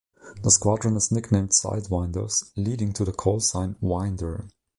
The squadron is nicknamed "Sidewinders", leading to the call sign "Winder".